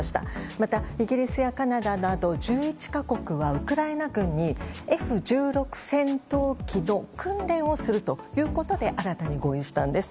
また、イギリスやカナダなど１１か国はウクライナ軍にＦ１６戦闘機の訓練をするということで新たに合意したんです。